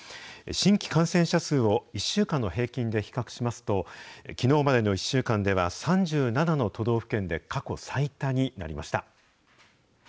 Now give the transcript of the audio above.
新規感染者数を１週間の平均で比較しますと、きのうまでの１週間では、３７の都道府県で過去最多になりました。